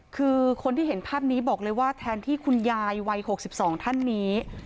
คือคนที่เห็นภาพนี้บอกเลยว่าแทนที่คุณยายวัย๖๒ท่านนี้